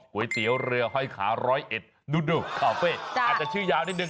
ก๋วยเตี๋ยวเรือห้อยขาร้อยเอ็ดดูคาเฟ่อาจจะชื่อยาวนิดนึ